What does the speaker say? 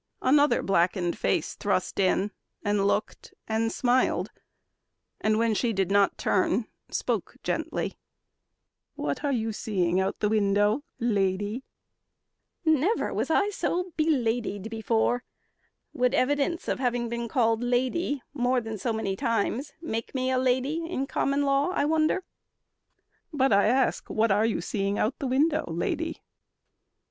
Another blackened face thrust in and looked And smiled, and when she did not turn, spoke gently, "What are you seeing out the window, lady?" "Never was I beladied so before. Would evidence of having been called lady More than so many times make me a lady In common law, I wonder." "But I ask, What are you seeing out the window, lady?"